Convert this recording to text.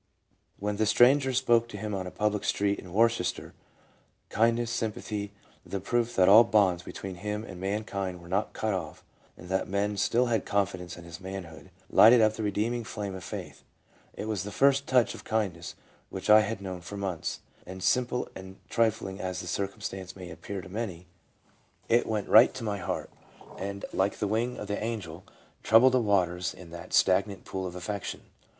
When the stranger spoke to him on a public street in "Worcester, kindness, sympathy, the proof that all bonds between him and mankind were not cut off, and that men still had confidence in his manhood, lighted up the redeeming flame of Faith. " It was the first touch of kindness which I had known for months ; and simple and trifling as the circumstances may appear to many, it went 1 From a talk in Boston, reported by the Boston Herald, Feb. 6, 1895. 344 LEUBA : right to my heart, and like the wing of the angel, troubled the waters in that stagnant pool of affection."